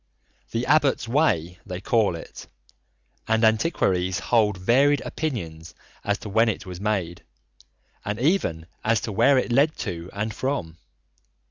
"The Abbot's Way" they call it, and antiquaries hold varied opinions as to when it was made, and even as to where it led to and from.